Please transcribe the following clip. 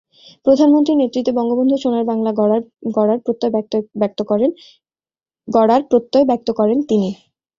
প্রধানমন্ত্রীর নেতৃত্বে বঙ্গবন্ধুর সোনার বাংলা গড়ার প্রত্যয় ব্যক্ত করেন তিনি।